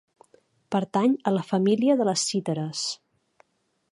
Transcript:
Pertany a la família de les cítares.